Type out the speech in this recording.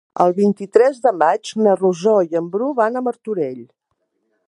El vint-i-tres de maig na Rosó i en Bru van a Martorell.